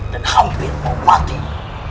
dan hampir mematikan